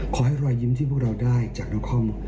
ขอให้รอยยิ้มที่พวกเราได้จากนคร